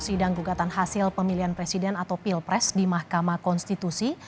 sidang gugatan hasil pemilihan presiden atau pilpres di mahkamah konstitusi